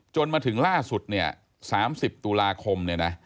จนมาถึงล่าสุด๓๐ตุลาคม